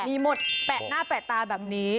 มีหมดแปะหน้าแปะตาแบบนี้